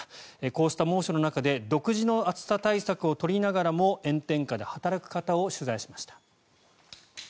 こうした猛暑の中で独自の暑さ対策を取りながらも炎天下で働く方を取材しました。